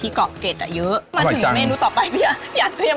ที่พ่อบอกว่าต้นขา